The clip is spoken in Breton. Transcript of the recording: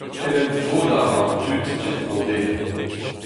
En em vodañ a ra an dud en-dro dezhañ.